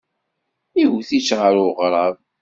Iwet-itt ɣer uɣrab.